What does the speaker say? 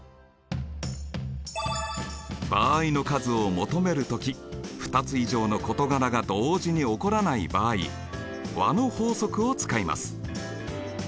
場合の数を求める時２つ以上の事柄が同時に起こらない場合和の法則を使います。